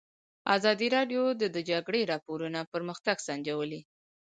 ازادي راډیو د د جګړې راپورونه پرمختګ سنجولی.